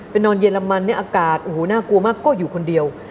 ไปนอนเย็นละมันอากาศโอ้โหน่ากลัวมากก็อยู่คนเดียว